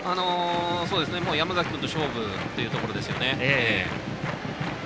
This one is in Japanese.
山崎君と勝負ということでしょうね。